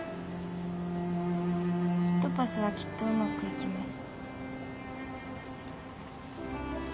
キットパスはきっとうまくいきます。